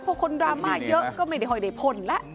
พอคนดราม่าเยอะก็ไม่ได้ค่อยได้พ่นแล้ว